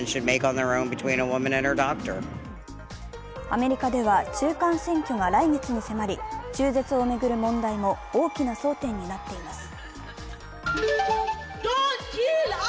アメリカでは中間選挙が来月に迫り、中絶を巡る問題も大きな争点になっています。